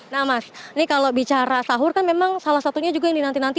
nah mas ini kalau bicara sahur kan memang salah satunya juga yang dinanti nanti